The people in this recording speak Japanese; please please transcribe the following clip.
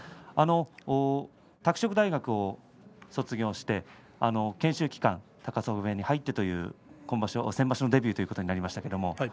拓殖大学を卒業して研修期間、高砂部屋に入ってというそして先場所のデビューでした。